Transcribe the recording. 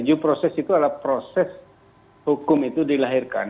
juproses itu adalah proses hukum itu dilahirkan